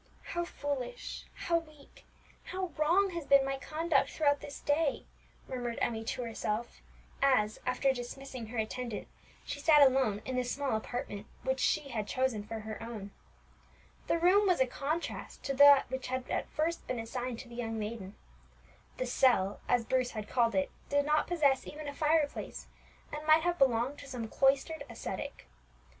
"How foolish how weak how wrong has been my conduct through this day!" murmured Emmie to herself, as, after dismissing her attendant, she sat alone in the small apartment which she had chosen for her own. The room was a contrast to that which had at first been assigned to the young maiden. The cell, as Bruce had called it, did not possess even a fireplace, and might have belonged to some cloistered ascetic.